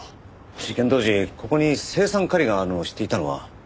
事件当時ここに青酸カリがあるのを知っていたのは？